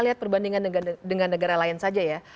lihat perbandingan dengan negara lain saja ya